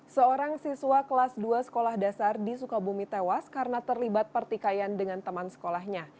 seorang siswa kelas dua sekolah dasar di sukabumi tewas karena terlibat pertikaian dengan teman sekolahnya